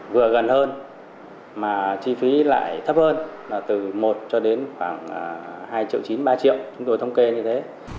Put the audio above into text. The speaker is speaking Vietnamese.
vừa gần hơn mà chi phí lại thấp hơn là từ một cho đến khoảng hai triệu chín ba triệu chúng tôi thống kê như thế